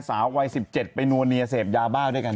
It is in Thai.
สาววัย๑๗ไปนัวเนียเสพยาบ้าด้วยกัน